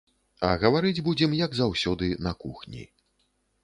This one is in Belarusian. А гаварыць будзем, як заўсёды, на кухні.